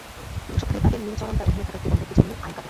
সপ্তাহ খানেক আগে নীলচরণ তাঁর অধীনে থাকা একটি বন্ধকি জমির আইল কাটেন।